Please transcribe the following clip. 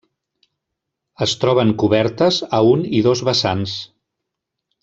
Es troben cobertes a un i dos vessants.